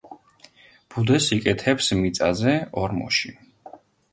ბუდეს იკეთებს მიწაზე, ორმოში.